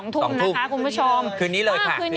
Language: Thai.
ตอนพุธนะคะ๒ทุ่มนะคะคุณผู้ชม